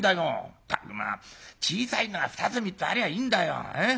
ったくまあ小さいのが２つ３つありゃあいいんだよ。